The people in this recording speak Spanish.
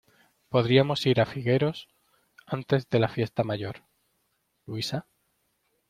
Podríamos ir a Figureros antes de la fiesta mayor, ¿Luisa?